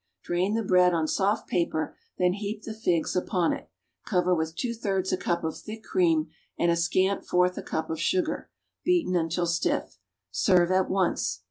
Drain the bread on soft paper; then heap the figs upon it, cover with two thirds a cup of thick cream and a scant fourth a cup of sugar, beaten until stiff. Serve at once.